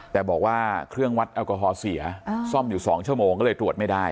แต่บอกว่าเครื่องวัดแอลกอฮอล์เสียซ่อมอยู่๒ชั่วโมงก็เลยตรวจไม่ได้